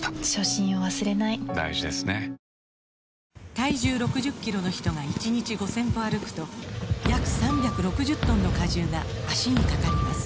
体重６０キロの人が１日５０００歩歩くと約３６０トンの荷重が脚にかかります